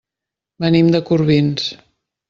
Venim de Corbins.